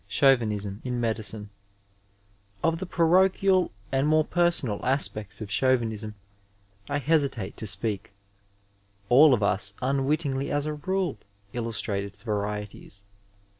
IV. PAEOCHIALKM IN MEDICINE Of the parochial and more personal aspects of Chau vinism I hesitate to speak ; all of us, unwittingly as a rule, illustrate its varieties.